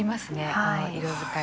この色使いが。